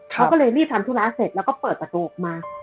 เขาก็เลยรีบทำธุระเสร็จแล้วก็เปิดประตูออกมา